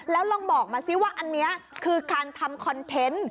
แล้วลองบอกมาซิว่าอันนี้คือการทำคอนเทนต์